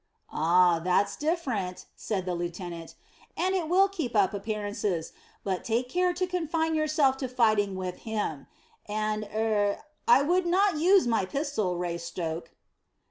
"Ah, that's different," said the lieutenant; "and it will keep up appearances. But take care to confine yourself to fighting with him. And er I would not use my pistol, Raystoke."